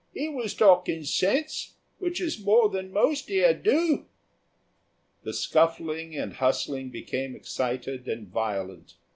'E was talking sense, which is more than most here do." The scuffling and hustling became excited and violent.